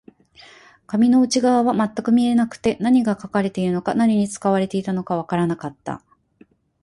紙の内側は全く見えなくて、何が書かれているのか、何に使われていたのかわからなかった